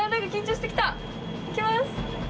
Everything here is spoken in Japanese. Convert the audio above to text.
いきます。